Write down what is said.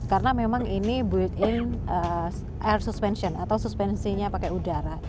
karena memang ini built in air suspension atau suspensinya pakai udara